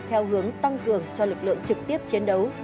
theo hướng tăng cường cho lực lượng trực tiếp chiến đấu